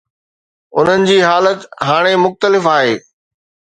انهن جي حالت هاڻي مختلف آهي.